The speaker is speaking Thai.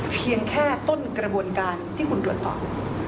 เพียงแค่ต้นกระบวนการที่คุณตรวจสอบ